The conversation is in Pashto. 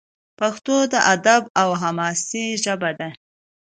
پښتو د ادب او حماسې ژبه ده.